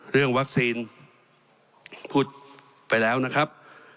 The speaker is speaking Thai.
เรื่องวัคซีนพูดไปแล้วนะครับ